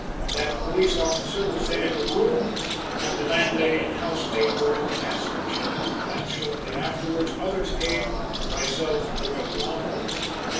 That a police officer was then in the room, and the landlady and housemaid were in the passage. That shortly afterwards others came, myself among the number.